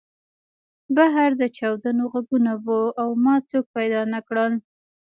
بهر د چاودنو غږونه وو او ما څوک پیدا نه کړل